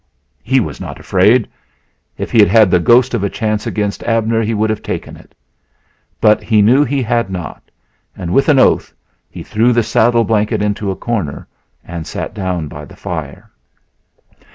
He was not afraid! If he had had the ghost of a chance against Abner he would have taken it. But he knew he had not, and with an oath he threw the saddle blanket into a corner and sat down by the fire.